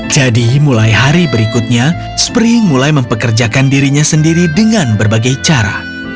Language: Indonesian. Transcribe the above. jadi mulai hari berikutnya spring mulai mempekerjakan dirinya sendiri dengan berbagai cara